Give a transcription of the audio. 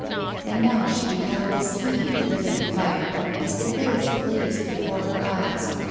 And now she beheld a sea of living fire as the hills blazed before her eyes.